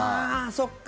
そっか。